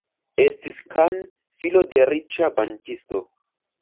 Estis Kahn, filo de riĉa bankisto.